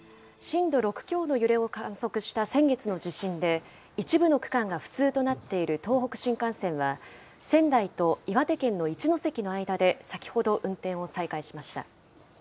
震度６強の揺れを観測した先月の地震で、一部の区間が不通となっている東北新幹線は、仙台と岩手県の一ノ関の間で先ほど、運転を再開しました。